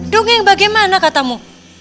dongeng bagaimana katamu